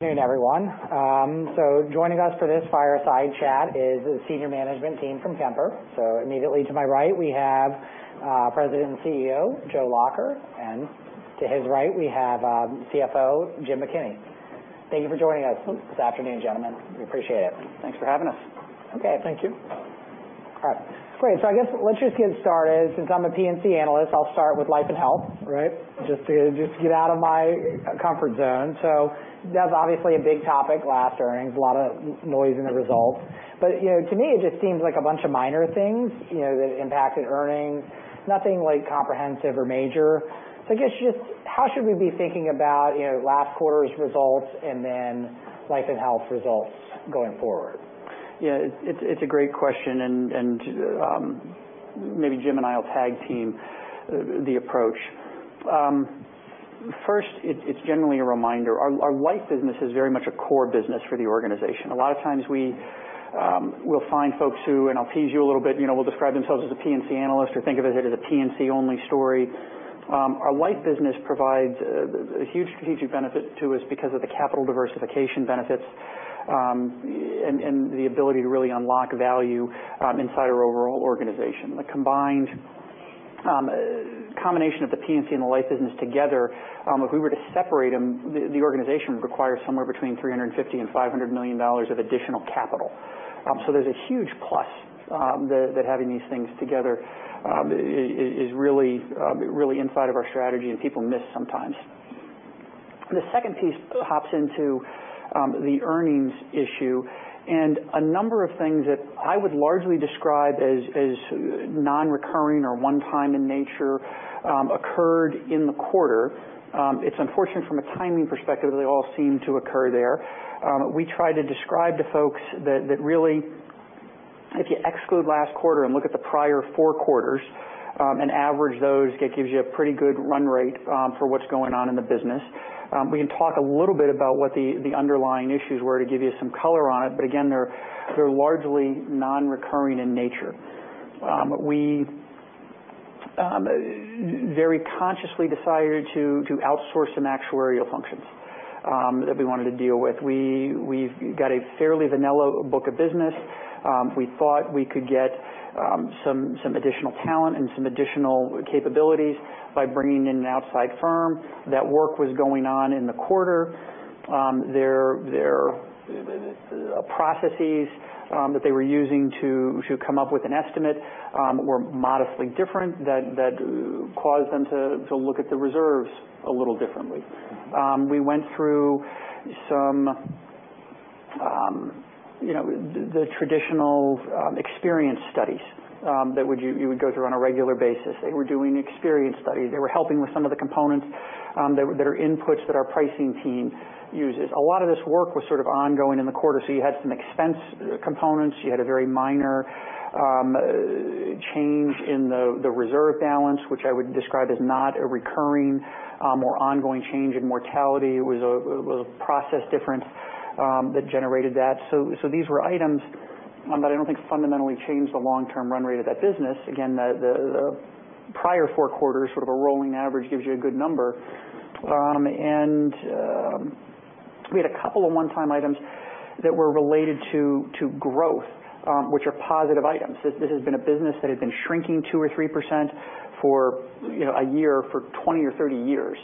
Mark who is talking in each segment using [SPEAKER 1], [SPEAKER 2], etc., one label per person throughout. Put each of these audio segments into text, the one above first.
[SPEAKER 1] Good afternoon, everyone. Joining us for this fireside chat is the Senior Management team from Kemper. Immediately to my right, we have President and CEO, Joe Lacher, and to his right, we have CFO, Jim McKinney. Thank you for joining us this afternoon, gentlemen. We appreciate it.
[SPEAKER 2] Thanks for having us.
[SPEAKER 3] Thank you.
[SPEAKER 1] All right. Great. I guess let's just get started. Since I'm a P&C analyst, I'll start with life and health.
[SPEAKER 2] Right.
[SPEAKER 1] Just to get out of my comfort zone. That was obviously a big topic last earnings. A lot of noise in the results. To me, it just seems like a bunch of minor things that impacted earnings. Nothing comprehensive or major. I guess just how should we be thinking about last quarter's results and then life and health results going forward?
[SPEAKER 2] It's a great question and maybe Jim and I will tag-team the approach. First, it's generally a reminder. Our life business is very much a core business for the organization. A lot of times we'll find folks who, and I'll tease you a little bit, will describe themselves as a P&C analyst or think of it as a P&C only story. Our life business provides a huge strategic benefit to us because of the capital diversification benefits, and the ability to really unlock value inside our overall organization. The combination of the P&C and the life business together, if we were to separate them, the organization would require somewhere between $350 million and $500 million of additional capital. There's a huge plus that having these things together is really inside of our strategy, and people miss sometimes. The second piece hops into the earnings issue. A number of things that I would largely describe as non-recurring or one time in nature occurred in the quarter. It's unfortunate from a timing perspective that they all seem to occur there. We try to describe to folks that really, if you exclude last quarter and look at the prior four quarters, and average those, that gives you a pretty good run rate for what's going on in the business. We can talk a little bit about what the underlying issues were to give you some color on it. Again, they're largely non-recurring in nature. We very consciously decided to outsource some actuarial functions that we wanted to deal with. We've got a fairly vanilla book of business. We thought we could get some additional talent and some additional capabilities by bringing in an outside firm. That work was going on in the quarter. Their processes that they were using to come up with an estimate were modestly different that caused them to look at the reserves a little differently. We went through some traditional experience studies that you would go through on a regular basis. They were doing experience studies. They were helping with some of the components that are inputs that our pricing team uses. A lot of this work was sort of ongoing in the quarter. You had some expense components. You had a very minor change in the reserve balance, which I would describe as not a recurring or ongoing change in mortality. It was a process difference that generated that. These were items that I don't think fundamentally changed the long-term run rate of that business. The prior four quarters, sort of a rolling average gives you a good number. We had a couple of one-time items that were related to growth, which are positive items. This has been a business that had been shrinking two or three percent for a year for 20 or 30 years.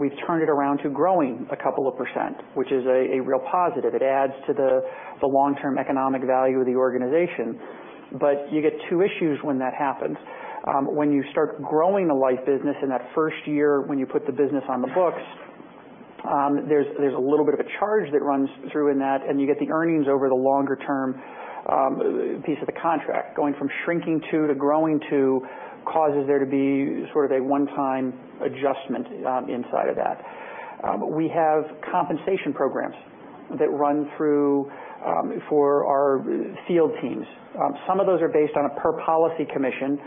[SPEAKER 2] We've turned it around to growing a couple of percent, which is a real positive. It adds to the long-term economic value of the organization. You get two issues when that happens. When you start growing the life business in that first year when you put the business on the books, there's a little bit of a charge that runs through in that, and you get the earnings over the longer-term piece of the contract. Going from shrinking to growing causes there to be sort of a one-time adjustment inside of that. We have compensation programs that run through for our field teams. Some of those are based on a per policy commission.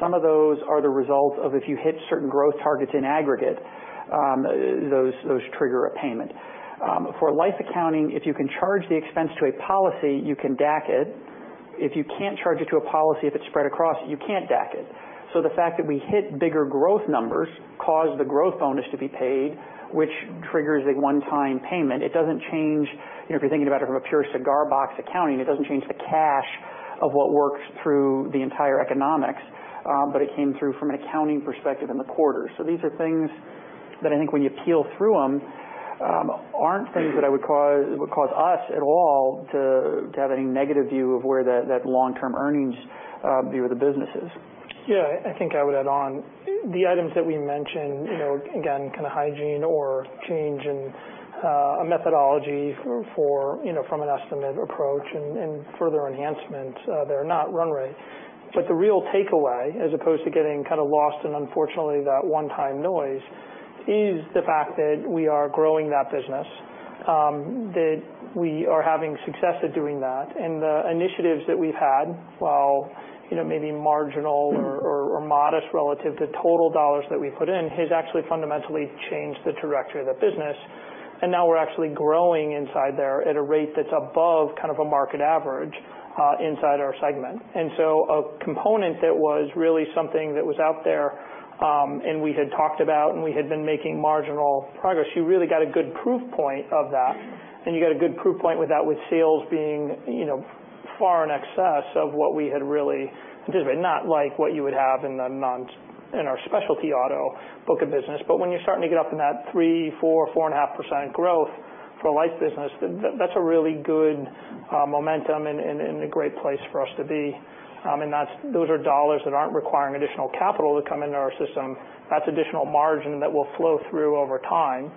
[SPEAKER 2] Some of those are the result of if you hit certain growth targets in aggregate, those trigger a payment. For life accounting, if you can charge the expense to a policy, you can DAC it. If you can't charge it to a policy, if it's spread across, you can't DAC it. The fact that we hit bigger growth numbers caused the growth bonus to be paid, which triggers a one-time payment. If you're thinking about it from a pure cigar box accounting, it doesn't change the cash of what works through the entire economics. It came through from an accounting perspective in the quarter. These are things that I think when you peel through them, aren't things that would cause us at all to have any negative view of where that long-term earnings view of the business is.
[SPEAKER 3] I think I would add on. The items that we mentioned, again, kind of hygiene or change in a methodology from an estimate approach and further enhancements, they're not run rate. The real takeaway, as opposed to getting kind of lost in unfortunately that one-time noise, is the fact that we are growing that business, that we are having success at doing that, and the initiatives that we've had, while maybe marginal or modest relative to total dollars that we put in, has actually fundamentally changed the trajectory of that business. Now we're actually growing inside there at a rate that's above kind of a market average inside our segment. A component that was really something that was out there, and we had talked about, and we had been making marginal progress, you really got a good proof point of that. You got a good proof point with that with sales far in excess of what we had really anticipated, not like what you would have in our specialty auto book of business. When you're starting to get up in that 3%, 4%, 4.5% growth for a life business, that's a really good momentum and a great place for us to be. Those are dollars that aren't requiring additional capital to come into our system. That's additional margin that will flow through over time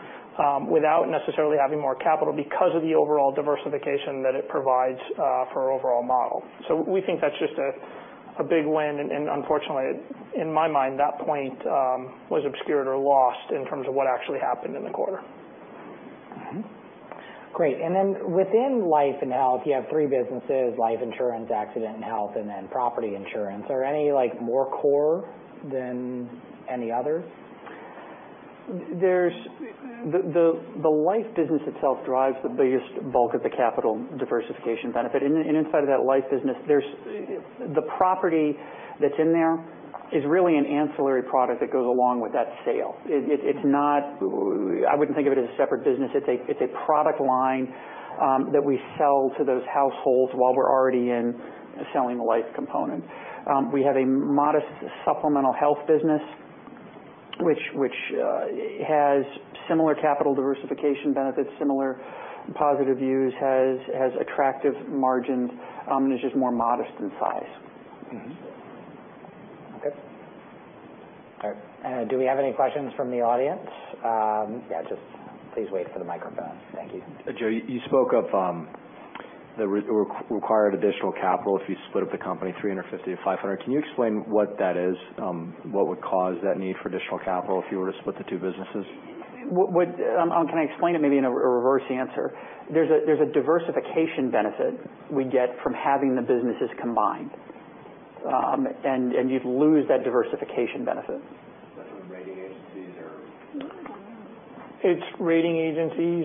[SPEAKER 3] without necessarily having more capital because of the overall diversification that it provides for our overall model. We think that's just a big win, and unfortunately, in my mind, that point was obscured or lost in terms of what actually happened in the quarter.
[SPEAKER 1] Mm-hmm. Great. Then within life and health, you have three businesses, life insurance, accident and health, and property insurance. Are any more core than any others?
[SPEAKER 3] The life business itself drives the biggest bulk of the capital diversification benefit. Inside of that life business, the property that's in there is really an ancillary product that goes along with that sale. I wouldn't think of it as a separate business. It's a product line that we sell to those households while we're already in selling the life component. We have a modest supplemental health business, which has similar capital diversification benefits, similar positive views, has attractive margins, and is just more modest in size.
[SPEAKER 1] Mm-hmm. Okay. All right. Do we have any questions from the audience? Yeah, just please wait for the microphone. Thank you.
[SPEAKER 4] Joe, you spoke of the required additional capital if you split up the company $350 million-$500 million. Can you explain what that is? What would cause that need for additional capital if you were to split the two businesses?
[SPEAKER 2] Can I explain it maybe in a reverse answer? There's a diversification benefit we get from having the businesses combined. You'd lose that diversification benefit. That's from rating agencies or?
[SPEAKER 3] It's rating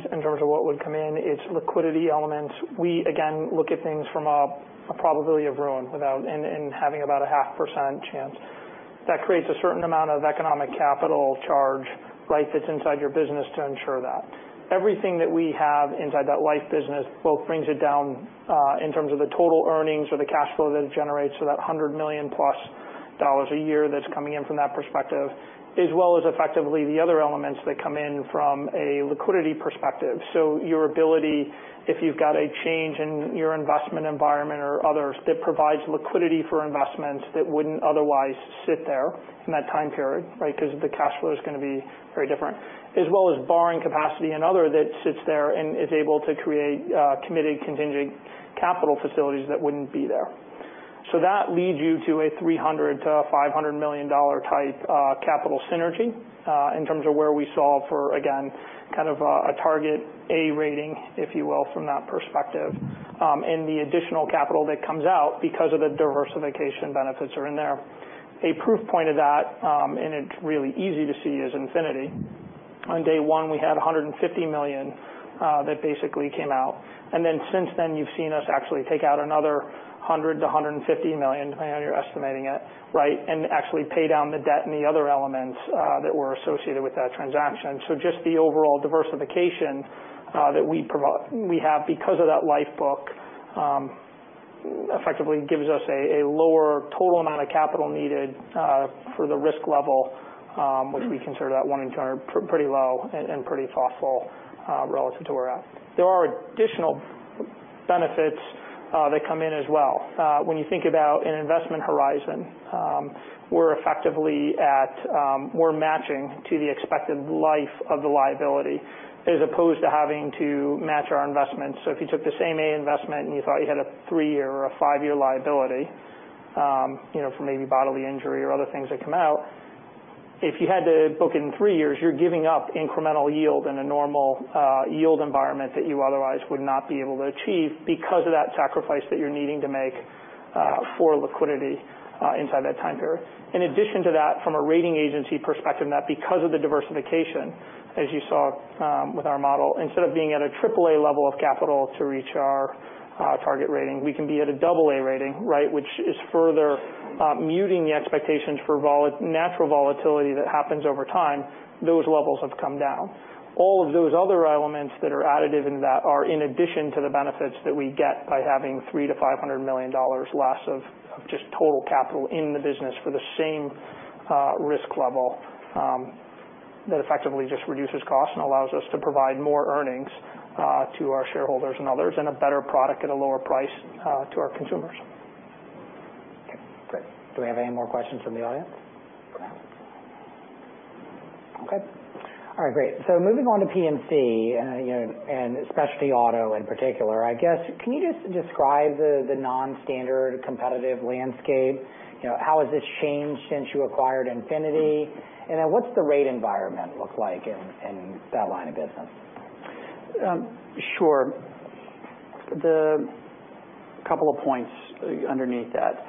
[SPEAKER 3] agencies in terms of what would come in. It's liquidity elements. We, again, look at things from a probability of ruin and having about a half % chance. That creates a certain amount of economic capital charge that's inside your business to ensure that. Everything that we have inside that life business both brings it down in terms of the total earnings or the cash flow that it generates, so that $100 million plus a year that's coming in from that perspective, as well as effectively the other elements that come in from a liquidity perspective. Your ability, if you've got a change in your investment environment or others that provides liquidity for investments that wouldn't otherwise sit there in that time period because the cash flow is going to be very different. As well as borrowing capacity and other that sits there and is able to create committed contingent capital facilities that wouldn't be there. That leads you to a $300 million-$500 million type capital synergy in terms of where we solve for, again, kind of a target A rating, if you will, from that perspective. The additional capital that comes out because of the diversification benefits are in there. A proof point of that, and it's really easy to see, is Infinity. On day one, we had $150 million that basically came out. Since then you've seen us actually take out another $100 million-$150 million, depending on how you're estimating it, and actually pay down the debt and the other elements that were associated with that transaction. Just the overall diversification that we have because of that life book effectively gives us a lower total amount of capital needed for the risk level which we consider that one in 200 pretty low and pretty thoughtful relative to where we're at. There are additional benefits that come in as well. When you think about an investment horizon, we're matching to the expected life of the liability as opposed to having to match our investment. If you took the same A investment and you thought you had a three-year or a five-year liability for maybe bodily injury or other things that come out, if you had to book in three years, you're giving up incremental yield in a normal yield environment that you otherwise would not be able to achieve because of that sacrifice that you're needing to make for liquidity inside that time period. In addition to that, from a rating agency perspective, that because of the diversification, as you saw with our model, instead of being at a AAA level of capital to reach our target rating, we can be at a AA rating which is further muting the expectations for natural volatility that happens over time. Those levels have come down. All of those other elements that are additive in that are in addition to the benefits that we get by having $300 million-$500 million less of just total capital in the business for the same risk level that effectively just reduces cost and allows us to provide more earnings to our shareholders and others, and a better product at a lower price to our consumers.
[SPEAKER 1] Okay, great. Do we have any more questions from the audience? Okay. All right, great. Moving on to P&C and specialty auto in particular. Can you just describe the non-standard competitive landscape? How has this changed since you acquired Infinity? What's the rate environment look like in that line of business?
[SPEAKER 3] Sure. Couple of points underneath that.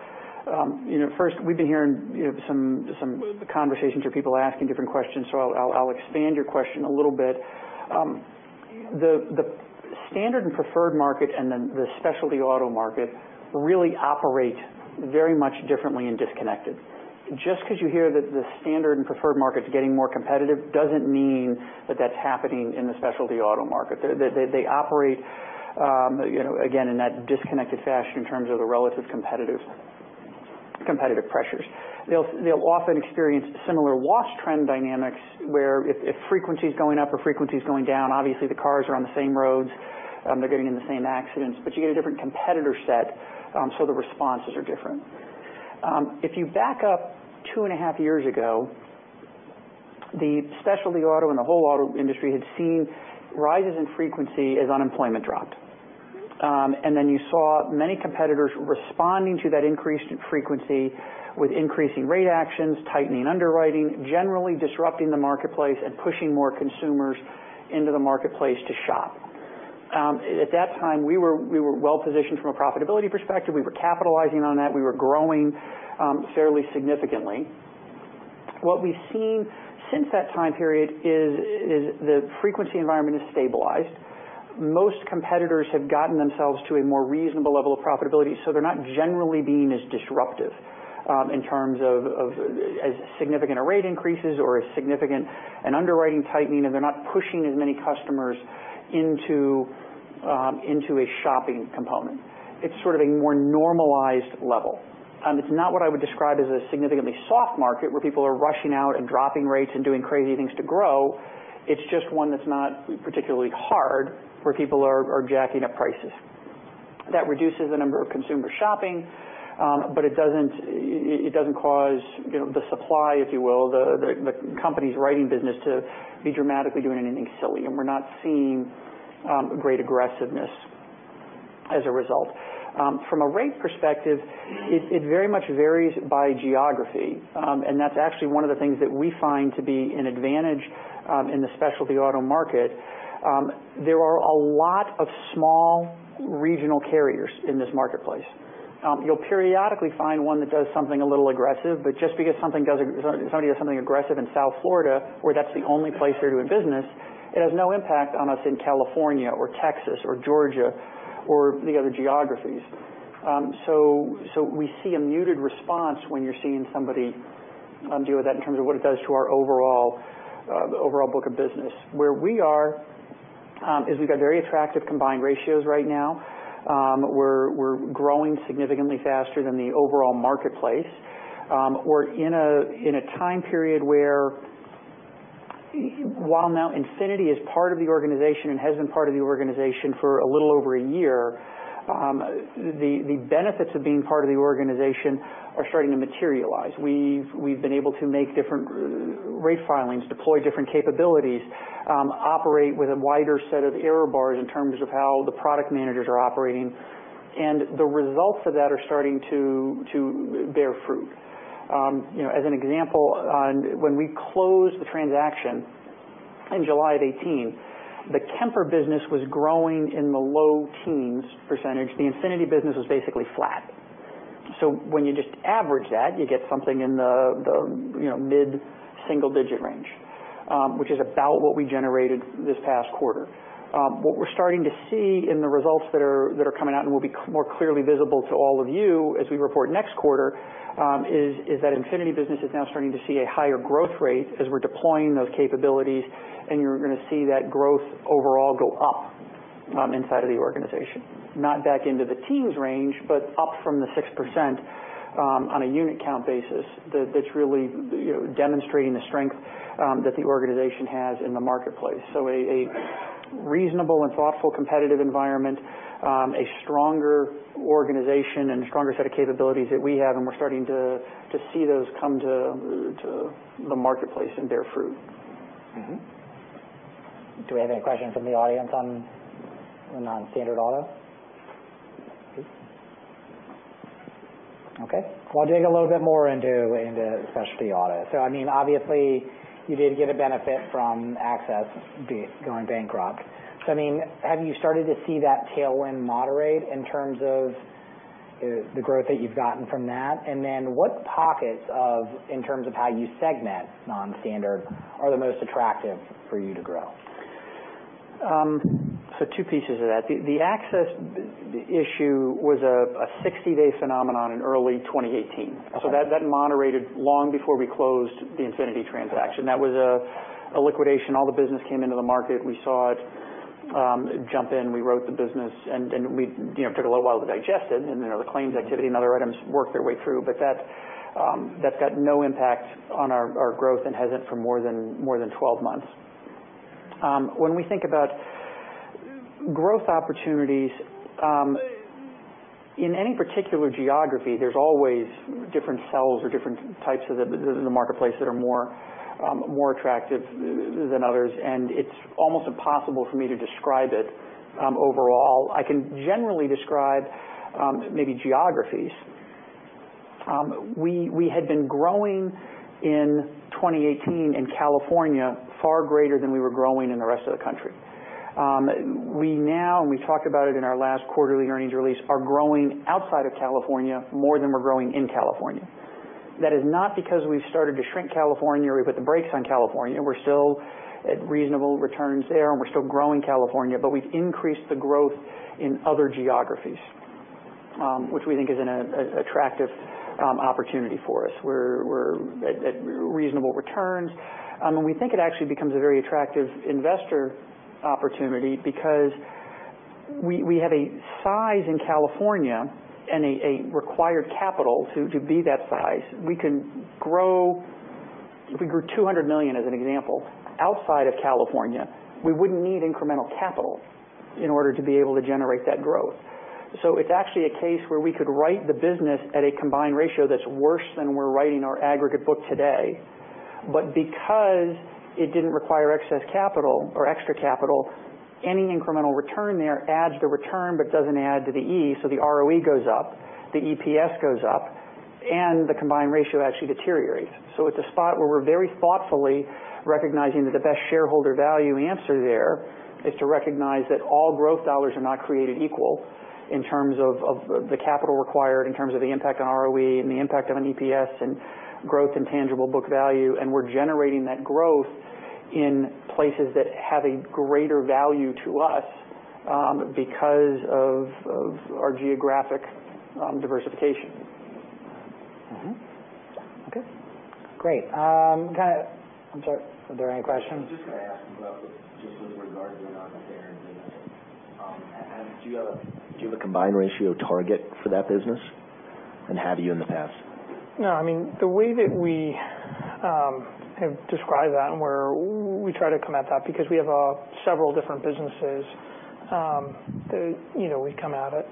[SPEAKER 3] First, we've been hearing some conversations or people asking different questions, so I'll expand your question a little bit. The standard and preferred market and then the specialty auto market really operate very much differently and disconnected.
[SPEAKER 2] Just because you hear that the standard and preferred market's getting more competitive doesn't mean that that's happening in the specialty auto market. They operate, again, in that disconnected fashion in terms of the relative competitive pressures. They'll often experience similar loss trend dynamics where if frequency's going up or frequency's going down, obviously the cars are on the same roads, they're getting in the same accidents. You get a different competitor set, so the responses are different. If you back up two and a half years ago, the specialty auto and the whole auto industry had seen rises in frequency as unemployment dropped. You saw many competitors responding to that increase in frequency with increasing rate actions, tightening underwriting, generally disrupting the marketplace and pushing more consumers into the marketplace to shop. At that time, we were well-positioned from a profitability perspective. We were capitalizing on that. We were growing fairly significantly. What we've seen since that time period is the frequency environment has stabilized. Most competitors have gotten themselves to a more reasonable level of profitability, so they're not generally being as disruptive in terms of as significant a rate increases or as significant an underwriting tightening, and they're not pushing as many customers into a shopping component. It's sort of a more normalized level. It's not what I would describe as a significantly soft market where people are rushing out and dropping rates and doing crazy things to grow. It's just one that's not particularly hard where people are jacking up prices. That reduces the number of consumers shopping. It doesn't cause the supply, if you will, the company's writing business to be dramatically doing anything silly. We're not seeing great aggressiveness as a result. From a rate perspective, it very much varies by geography. That's actually one of the things that we find to be an advantage in the specialty auto market. There are a lot of small regional carriers in this marketplace. You'll periodically find one that does something a little aggressive, but just because somebody does something aggressive in South Florida, where that's the only place they're doing business, it has no impact on us in California or Texas or Georgia or the other geographies. We see a muted response when you're seeing somebody deal with that in terms of what it does to the overall book of business. Where we are is we've got very attractive combined ratios right now. We're growing significantly faster than the overall marketplace. We're in a time period where while now Infinity is part of the organization and has been part of the organization for a little over a year, the benefits of being part of the organization are starting to materialize. We've been able to make different rate filings, deploy different capabilities, operate with a wider set of error bars in terms of how the product managers are operating. The results of that are starting to bear fruit. As an example, when we closed the transaction in July of 2018, the Kemper business was growing in the low teens%. The Infinity business was basically flat. When you just average that, you get something in the mid-single digit range, which is about what we generated this past quarter. What we're starting to see in the results that are coming out and will be more clearly visible to all of you as we report next quarter, is that Infinity business is now starting to see a higher growth rate as we're deploying those capabilities. You're going to see that growth overall go up inside of the organization. Not back into the teens range, but up from the 6% on a unit count basis. That's really demonstrating the strength that the organization has in the marketplace. A reasonable and thoughtful competitive environment, a stronger organization, and a stronger set of capabilities that we have, we're starting to see those come to the marketplace and bear fruit.
[SPEAKER 1] Do we have any questions from the audience on non-standard auto? Okay. Well, I'll dig a little bit more into specialty auto. Obviously you did get a benefit from Access going bankrupt. Have you started to see that tailwind moderate in terms of the growth that you've gotten from that? Then what pockets of, in terms of how you segment non-standard, are the most attractive for you to grow?
[SPEAKER 2] Two pieces of that. The Access issue was a 60-day phenomenon in early 2018.
[SPEAKER 1] Okay.
[SPEAKER 2] That moderated long before we closed the Infinity transaction. That was a liquidation. All the business came into the market. We saw it jump in. We wrote the business, then it took a little while to digest it. The claims activity and other items worked their way through. That's got no impact on our growth and hasn't for more than 12 months. When we think about growth opportunities, in any particular geography, there's always different cells or different types in the marketplace that are more attractive than others. It's almost impossible for me to describe it overall. I can generally describe maybe geographies. We had been growing in 2018 in California far greater than we were growing in the rest of the country. We now, and we talked about it in our last quarterly earnings release, are growing outside of California more than we're growing in California. That is not because we've started to shrink California or we put the brakes on California. We're still at reasonable returns there, and we're still growing California, but we've increased the growth in other geographies. We think is an attractive opportunity for us. We're at reasonable returns. We think it actually becomes a very attractive investor opportunity because we have a size in California and a required capital to be that size. If we grew $200 million as an example, outside of California, we wouldn't need incremental capital in order to be able to generate that growth. It's actually a case where we could write the business at a combined ratio that's worse than we're writing our aggregate book today. Because it didn't require excess capital or extra capital, any incremental return there adds to return but doesn't add to the E. The ROE goes up, the EPS goes up, and the combined ratio actually deteriorates. It's a spot where we're very thoughtfully recognizing that the best shareholder value answer there is to recognize that all growth dollars are not created equal in terms of the capital required, in terms of the impact on ROE and the impact on an EPS and growth in tangible book value. We're generating that growth in places that have a greater value to us because of our geographic diversification.
[SPEAKER 1] Mm-hmm. Okay, great. I'm sorry, are there any questions?
[SPEAKER 5] Just going to ask about just with regard to the non-standard auto business. Do you have a combined ratio target for that business? Have you in the past?
[SPEAKER 3] No, the way that we have described that and where we try to come at that, because we have several different businesses that we come at it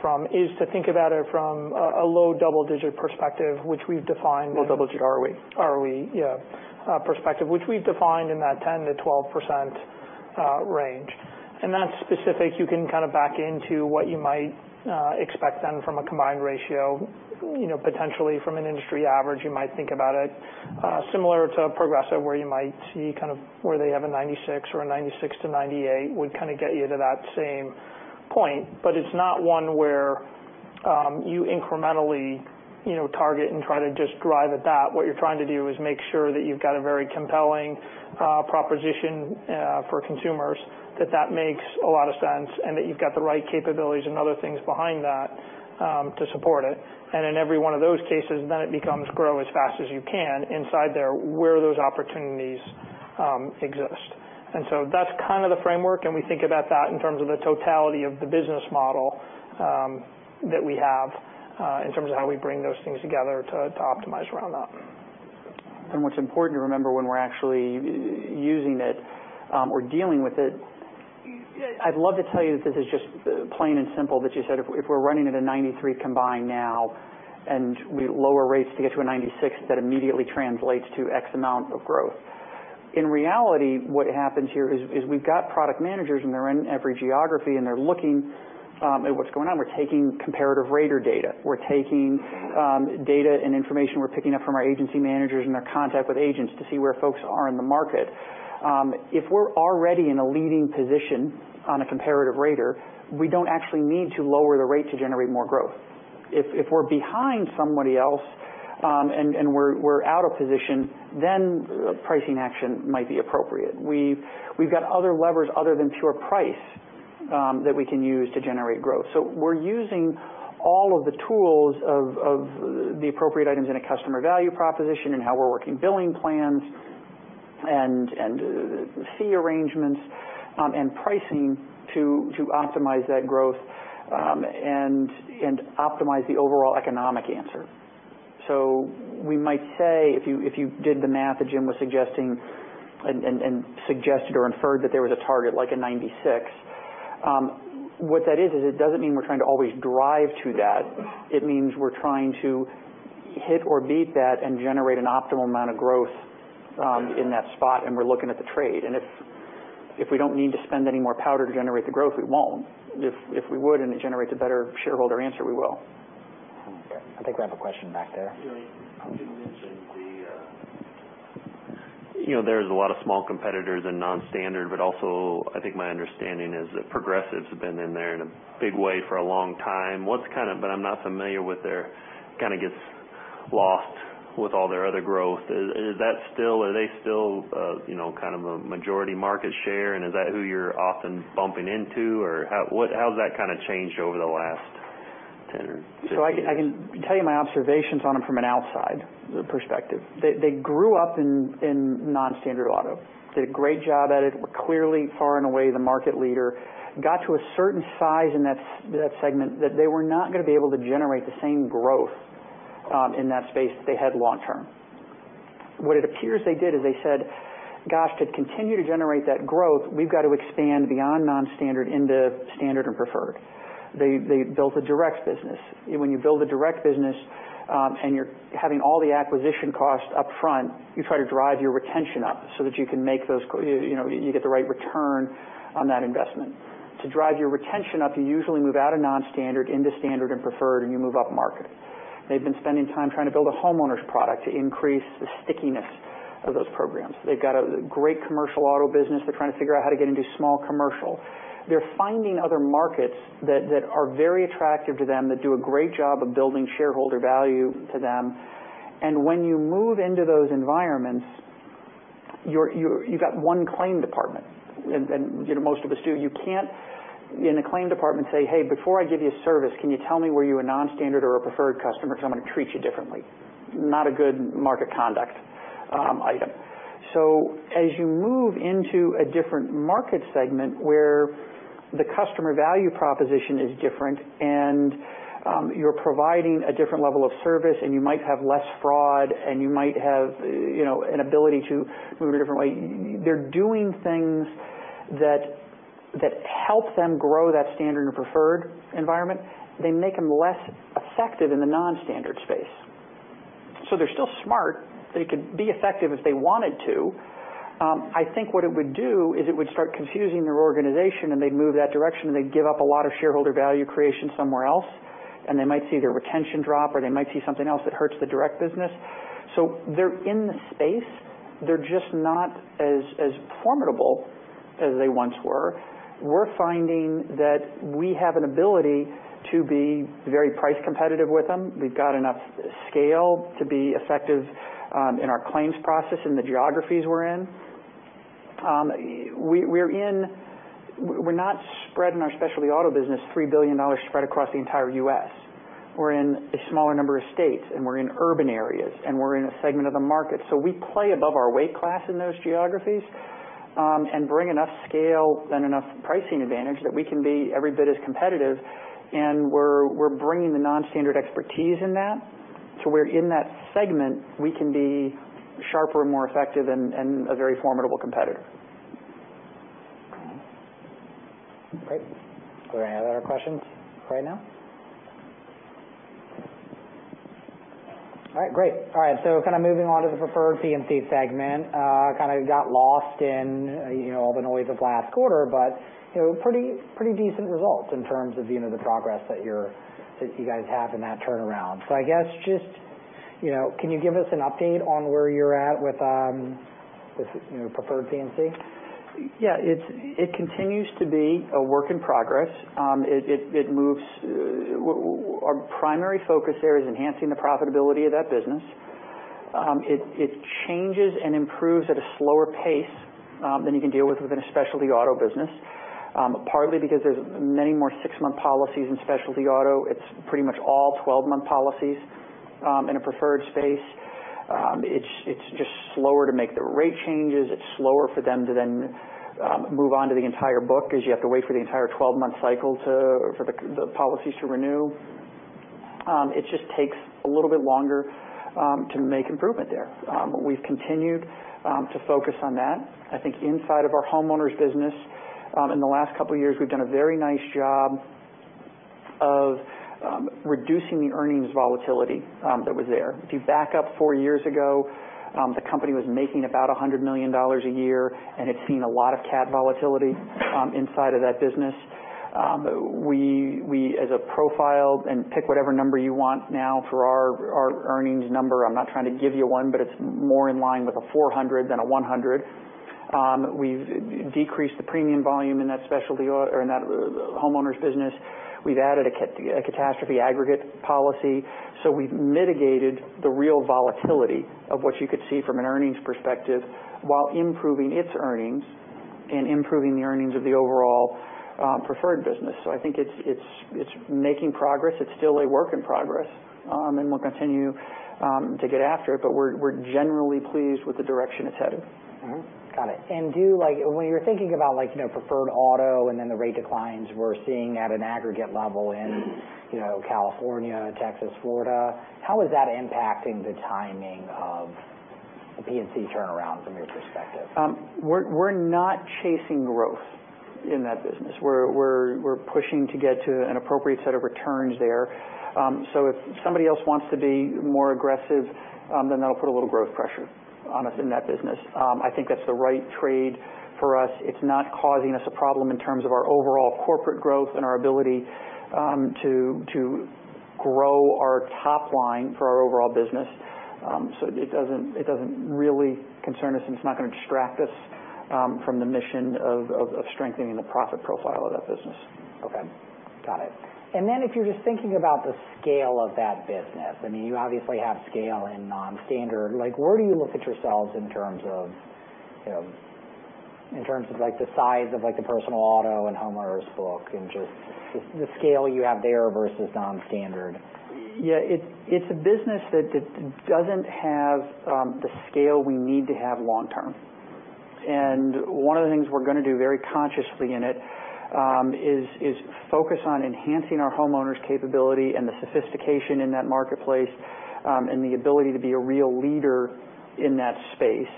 [SPEAKER 3] from, is to think about it from a low double-digit perspective, which we've defined-
[SPEAKER 2] Low double-digit ROE.
[SPEAKER 3] ROE, yeah, perspective, which we've defined in that 10%-12% range. That's specific. You can kind of back into what you might expect then from a combined ratio, potentially from an industry average, you might think about it similar to Progressive, where you might see where they have a 96% or a 96%-98% would kind of get you to that same point. It's not one where you incrementally target and try to just drive at that. What you're trying to do is make sure that you've got a very compelling proposition for consumers that that makes a lot of sense, and that you've got the right capabilities and other things behind that to support it. In every one of those cases, then it becomes grow as fast as you can inside there where those opportunities exist. That's kind of the framework, we think about that in terms of the totality of the business model that we have in terms of how we bring those things together to optimize around that.
[SPEAKER 2] What's important to remember when we're actually using it or dealing with it, I'd love to tell you that this is just plain and simple, but you said if we're running at a 93 combined now and we lower rates to get to a 96, that immediately translates to X amount of growth. In reality, what happens here is we've got product managers, they're in every geography, and they're looking at what's going on. We're taking comparative rater data. We're taking data and information we're picking up from our agency managers and their contact with agents to see where folks are in the market. If we're already in a leading position on a comparative rater, we don't actually need to lower the rate to generate more growth. If we're behind somebody else and we're out of position, then pricing action might be appropriate. We've got other levers other than pure price that we can use to generate growth. We're using all of the tools of the appropriate items in a customer value proposition and how we're working billing plans and fee arrangements and pricing to optimize that growth and optimize the overall economic answer. We might say, if you did the math that Jim was suggesting and suggested or inferred that there was a target like a 96, what that is it doesn't mean we're trying to always drive to that. It means we're trying to hit or beat that and generate an optimal amount of growth in that spot, and we're looking at the trade. If we don't need to spend any more powder to generate the growth, we won't. If we would and it generates a better shareholder answer, we will.
[SPEAKER 1] I think we have a question back there.
[SPEAKER 6] Yeah. You mentioned there's a lot of small competitors in non-standard, I think my understanding is that Progressive's been in there in a big way for a long time. I'm not familiar with their kind of gets lost with all their other growth. Are they still kind of a majority market share and is that who you're often bumping into or how's that kind of changed over the last 10 or 15 years?
[SPEAKER 2] I can tell you my observations on them from an outside perspective. They grew up in non-standard auto. Did a great job at it. Were clearly far and away the market leader. Got to a certain size in that segment that they were not going to be able to generate the same growth in that space that they had long term. What it appears they did is they said, "Gosh, to continue to generate that growth, we've got to expand beyond non-standard into standard and preferred." They built a direct business. When you build a direct business and you're having all the acquisition cost up front, you try to drive your retention up so that you get the right return on that investment. To drive your retention up, you usually move out of non-standard into standard and preferred, and you move up market. They've been spending time trying to build a homeowners product to increase the stickiness of those programs. They've got a great commercial auto business. They're trying to figure out how to get into small commercial. They're finding other markets that are very attractive to them, that do a great job of building shareholder value to them. When you move into those environments You've got one claim department, and most of us do. You can't, in a claim department, say, "Hey, before I give you service, can you tell me, were you a non-standard or a preferred customer? Because I'm going to treat you differently." Not a good market conduct item. As you move into a different market segment where the customer value proposition is different and you're providing a different level of service and you might have less fraud and you might have an ability to move a different way. They're doing things that help them grow that standard and preferred environment. They make them less effective in the non-standard space. They're still smart. They could be effective if they wanted to. I think what it would do is it would start confusing their organization, and they'd move that direction, and they'd give up a lot of shareholder value creation somewhere else. They might see their retention drop, or they might see something else that hurts the direct business. They're in the space. They're just not as formidable as they once were. We're finding that we have an ability to be very price competitive with them. We've got enough scale to be effective in our claims process in the geographies we're in. We're not spreading our specialty auto business, $3 billion spread across the entire U.S. We're in a smaller number of states, and we're in urban areas, and we're in a segment of the market. We play above our weight class in those geographies and bring enough scale and enough pricing advantage that we can be every bit as competitive. We're bringing the non-standard expertise in that. We're in that segment. We can be sharper and more effective and a very formidable competitor.
[SPEAKER 1] Great. Are there any other questions right now? All right, great. Kind of moving on to the preferred P&C segment. Kind of got lost in all the noise of last quarter, but pretty decent results in terms of the progress that you guys have in that turnaround. I guess just can you give us an update on where you're at with preferred P&C?
[SPEAKER 2] It continues to be a work in progress. Our primary focus there is enhancing the profitability of that business. It changes and improves at a slower pace than you can deal with within a specialty auto business. Partly because there's many more six-month policies in specialty auto. It's pretty much all 12-month policies in a preferred space. It's just slower to make the rate changes. It's slower for them to then move on to the entire book because you have to wait for the entire 12-month cycle for the policies to renew. It just takes a little bit longer to make improvement there. We've continued to focus on that. I think inside of our homeowners business, in the last couple of years, we've done a very nice job of reducing the earnings volatility that was there. If you back up four years ago, the company was making about $100 million a year, and it seen a lot of cat volatility inside of that business. We as a profile, and pick whatever number you want now for our earnings number, I'm not trying to give you one, but it's more in line with a 400 than a 100. We've decreased the premium volume in that homeowners business. We've added a catastrophe aggregate policy. We've mitigated the real volatility of what you could see from an earnings perspective while improving its earnings and improving the earnings of the overall preferred business. I think it's making progress. It's still a work in progress, and we'll continue to get after it, but we're generally pleased with the direction it's headed.
[SPEAKER 1] Got it. When you're thinking about preferred auto and then the rate declines we're seeing at an aggregate level in California, Texas, Florida, how is that impacting the timing of the P&C turnaround from your perspective?
[SPEAKER 2] We're not chasing growth in that business. We're pushing to get to an appropriate set of returns there. If somebody else wants to be more aggressive, that'll put a little growth pressure on us in that business. I think that's the right trade for us. It's not causing us a problem in terms of our overall corporate growth and our ability to grow our top line for our overall business. It doesn't really concern us, and it's not going to distract us from the mission of strengthening the profit profile of that business.
[SPEAKER 1] Okay. Got it. If you're just thinking about the scale of that business, I mean, you obviously have scale in non-standard. Where do you look at yourselves in terms of the size of the personal auto and homeowners book and just the scale you have there versus non-standard?
[SPEAKER 2] It's a business that doesn't have the scale we need to have long term. One of the things we're going to do very consciously in it is focus on enhancing our homeowners capability and the sophistication in that marketplace, and the ability to be a real leader in that space.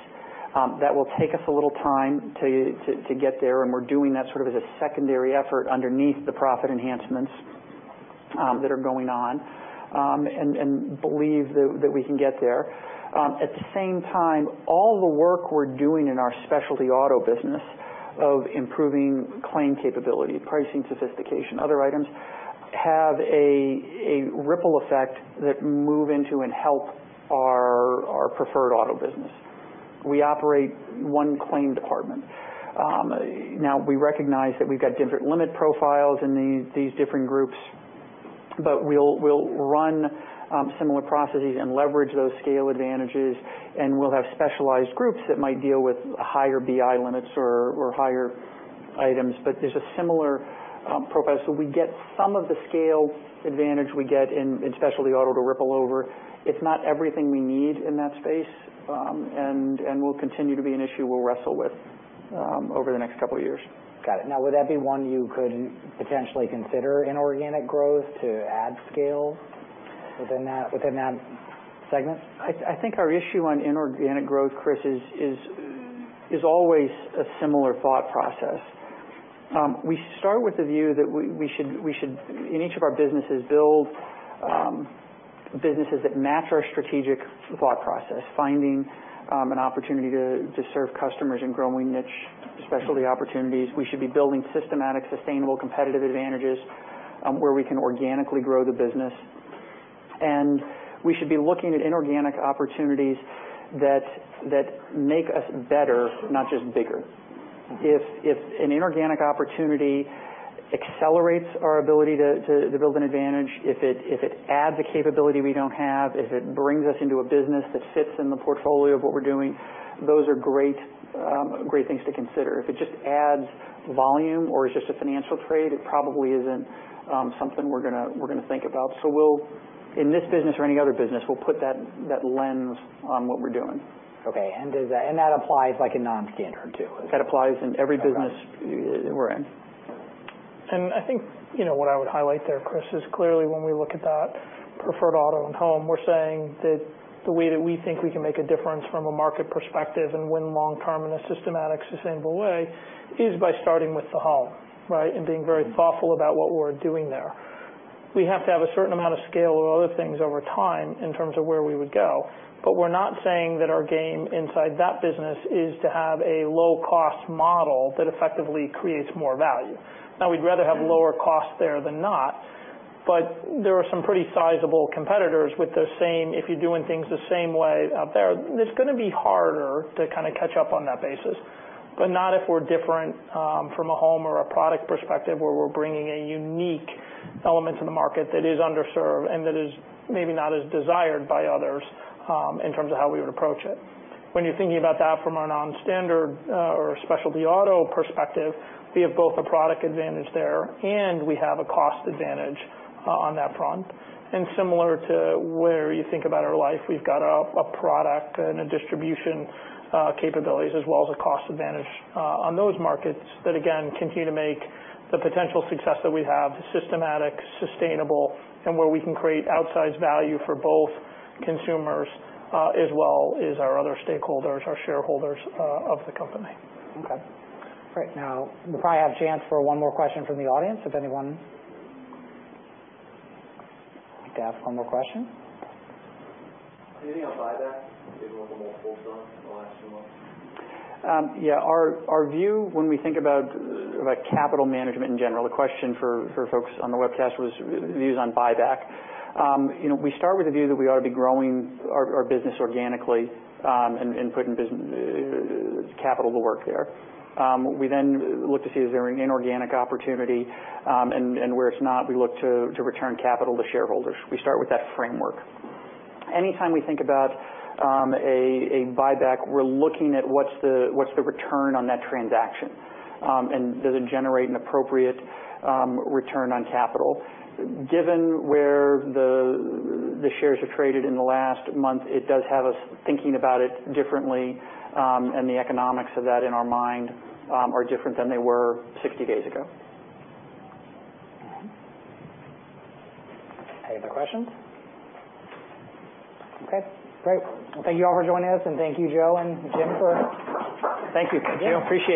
[SPEAKER 2] That will take us a little time to get there, and we're doing that sort of as a secondary effort underneath the profit enhancements that are going on, and believe that we can get there. At the same time, all the work we're doing in our specialty auto business of improving claim capability, pricing sophistication, other items, have a ripple effect that move into and help our preferred auto business. We operate one claim department. We recognize that we've got different limit profiles in these different groups. We'll run similar processes and leverage those scale advantages, and we'll have specialized groups that might deal with higher BI limits or higher items. There's a similar process. We get some of the scale advantage we get in specialty auto to ripple over. It's not everything we need in that space, and will continue to be an issue we'll wrestle with over the next couple of years.
[SPEAKER 1] Got it. Would that be one you could potentially consider inorganic growth to add scale within that segment?
[SPEAKER 2] I think our issue on inorganic growth, Chris, is always a similar thought process. We start with the view that we should, in each of our businesses, build businesses that match our strategic thought process, finding an opportunity to serve customers in growing niche specialty opportunities. We should be building systematic, sustainable competitive advantages, where we can organically grow the business. We should be looking at inorganic opportunities that make us better, not just bigger. If an inorganic opportunity accelerates our ability to build an advantage, if it adds a capability we don't have, if it brings us into a business that fits in the portfolio of what we're doing, those are great things to consider. If it just adds volume or is just a financial trade, it probably isn't something we're going to think about. We'll, in this business or any other business, we'll put that lens on what we're doing.
[SPEAKER 1] Okay. That applies like a non-standard too.
[SPEAKER 2] That applies in every business we're in.
[SPEAKER 3] I think what I would highlight there, Chris, is clearly when we look at that preferred auto and home, we're saying that the way that we think we can make a difference from a market perspective and win long-term in a systematic, sustainable way is by starting with the home, right? Being very thoughtful about what we're doing there. We have to have a certain amount of scale or other things over time in terms of where we would go, we're not saying that our game inside that business is to have a low-cost model that effectively creates more value. We'd rather have lower cost there than not, there are some pretty sizable competitors with the same. If you're doing things the same way out there, it's going to be harder to kind of catch up on that basis. Not if we're different from a home or a product perspective, where we're bringing a unique element to the market that is underserved and that is maybe not as desired by others in terms of how we would approach it. When you're thinking about that from a non-standard or specialty auto perspective, we have both a product advantage there and we have a cost advantage on that front. Similar to where you think about our life, we've got a product and distribution capabilities as well as a cost advantage on those markets that, again, continue to make the potential success that we have systematic, sustainable, and where we can create outsized value for both consumers as well as our other stakeholders, our shareholders of the company.
[SPEAKER 1] Okay. Great. Now, we probably have a chance for one more question from the audience, if anyone would like to ask one more question.
[SPEAKER 4] Anything on buyback given what the market pulled strong in the last few months?
[SPEAKER 2] Yeah. Our view when we think about capital management in general, the question for folks on the webcast was views on buyback. We start with a view that we ought to be growing our business organically, and putting capital to work there. We then look to see is there an inorganic opportunity, and where it's not, we look to return capital to shareholders. We start with that framework. Anytime we think about a buyback, we're looking at what's the return on that transaction, and does it generate an appropriate return on capital. Given where the shares have traded in the last month, it does have us thinking about it differently, and the economics of that in our mind are different than they were 60 days ago.
[SPEAKER 1] Any other questions? Okay, great. Thank you all for joining us, and thank you, Joe and Jim for-
[SPEAKER 2] Thank you, Jim. Appreciate it.